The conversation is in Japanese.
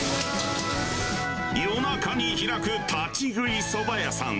夜中に開く立ち食いそば屋さん。